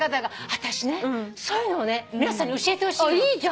私ねそういうのをね皆さんに教えてほしいの。